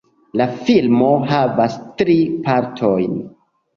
La filmo havas tri partojn.